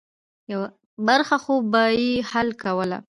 یوه برخه خو به یې حل کوله.